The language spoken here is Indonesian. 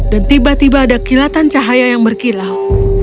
dan tiba tiba ada kilatan cahaya yang berkilau